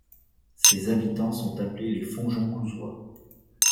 Ses habitants sont appelés les Fontjoncousois.